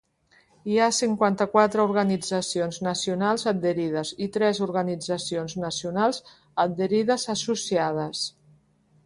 Hi ha cinquanta-quatre organitzacions nacionals adherides i tres organitzacions nacionals adherides associades.